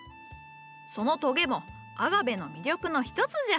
そのトゲもアガベの魅力の一つじゃ。